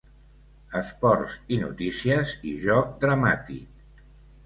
"Esports i Notícies" i "Joc Dramàtic".